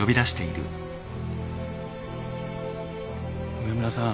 上村さん。